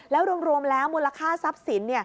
แล้วรวมแล้วมูลค่าทรัพย์สิน